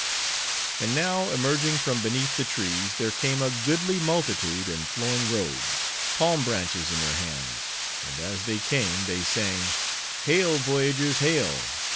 And now, emerging from beneath the trees, there came a goodly multitude in flowing robes; palm branches in their hands; and as they came, they sang:— Hail! voyagers, hail!